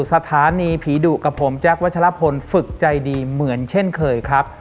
สถานีผีดุกับผมแจ๊ควัชลพลฝึกใจดีเหมือนเช่นเคยครับ